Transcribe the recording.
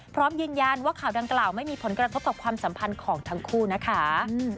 พร้อมยืนยันว่าข่าวดังกล่าวไม่มีผลกระทบต่อความสัมพันธ์ของทั้งคู่นะคะ